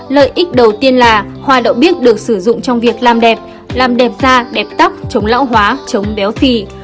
lợi ích đầu tiên là hoa đậu bích được sử dụng trong việc làm đẹp làm đẹp da đẹp tóc chống lão hóa chống béo phì